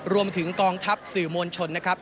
รวมถึงกองทัพสื่อมวลชนนะครับ